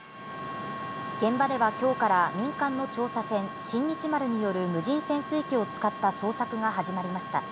現場では今日から民間の調査船、新日丸による無人潜水機を使った捜索が始まりました。